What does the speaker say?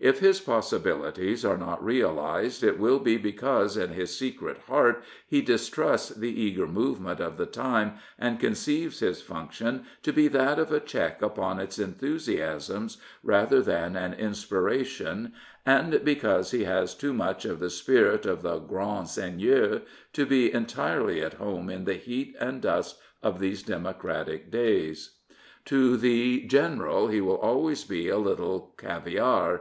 If his possibilities are not realised it will be because in his secret heart he distrusts the eager movement of the time and conceives his function to be that of a check upon its enthusiasms rather than an inspiration, and because he has too much of the spirit of the grand seigneur to be entirely at home in the heat and dust of these democratic days. To the general he will always be a little caviare.